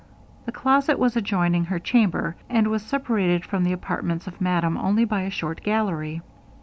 The cioset was adjoining her chamber, and was separated from the apartments of madame only by a short gallery.